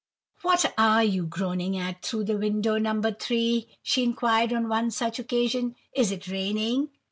"What are you groaning at through the window, No. 3?" she inquired on one such occasion; "is it raining?"